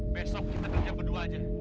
besok kita kerja berduanya